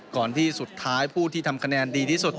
ก่อนที่สุดท้ายผู้ที่ทำคะแนนดีที่สุด